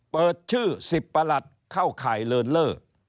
เปิดชื่อ๑๐ประหลัดเข้าข่ายเลินเล่อ